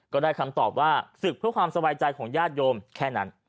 ก็ได้คำตอบว่าศึกเพื่อความสบายใจของญาติโยมแค่นั้น